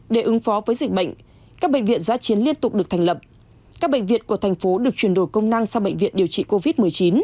để ứng phó với dịch bệnh các bệnh viện giá chiến liên tục được thành lập các bệnh viện của thành phố được chuyển đổi công năng sang bệnh viện điều trị covid một mươi chín